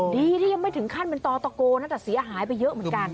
ดีที่ยังไม่ถึงขั้นเป็นตอตะโกนนะแต่เสียหายไปเยอะเหมือนกัน